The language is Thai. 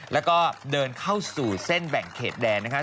แล้วก็เดินเข้าสู่เส้นแบ่งเขตแดนนะคะ